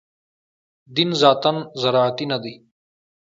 دین ذاتاً زراعتي نه دی.